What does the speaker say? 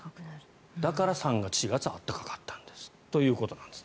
だから３月、４月暖かかったんですということです。